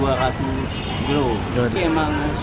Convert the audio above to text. jadi emang sepertinya sudah menangis